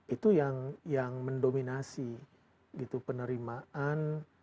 itu yang mendominasi penerimaan